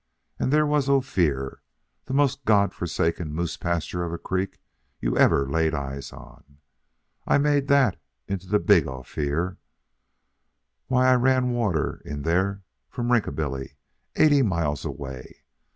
And there was Ophir the most God forsaken moose pasture of a creek you ever laid eyes on. I made that into the big Ophir. Why, I ran the water in there from the Rinkabilly, eighty miles away.